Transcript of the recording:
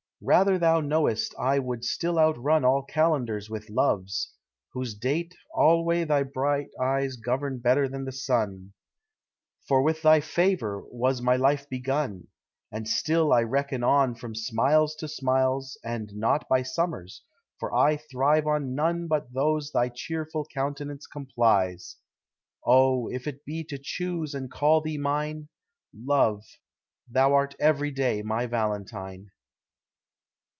Rather thou knowest I would still outrun All calendars with Love's, whose date alway Thy bright eyes govern better than the Sun, For with thy favor was my life begun; And still I reckon on from smiles to smiles, And not by summers, for I thrive on none But those thy cheerful countenance complies: Oh! if it be to choose and call thee mine, Love, thou art every day my Valentine.